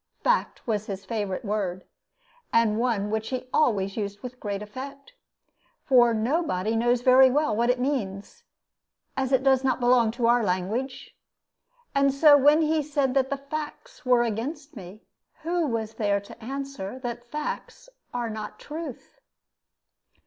"Fact" was his favorite word, and one which he always used with great effect, for nobody knows very well what it means, as it does not belong to our language. And so when he said that the facts were against me, who was there to answer that facts are not truth?